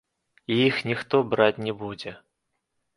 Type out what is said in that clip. І іх ніхто браць не будзе.